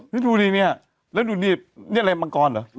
นี่ดูดินี่นี่มังกรเหรอ